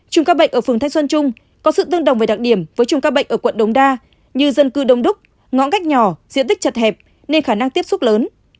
chùm các bệnh ở phường thanh xuân trung có sự tương đồng với đặc điểm với chùm các bệnh ở quận đống đa như dân cư đông đúc ngõ gách nhỏ diện tích chật hẹp nên khả năng tiếp xúc lớn